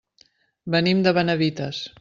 Venim de Benavites.